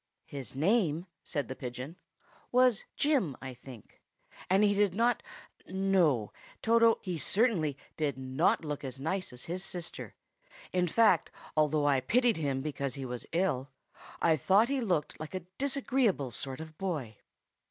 "His name," said the pigeon, "was Jim, I think. And he did not—no, Toto, he certainly did not look as nice as his sister. In fact, although I pitied him because he was ill, I thought he looked like a disagreeable sort of boy."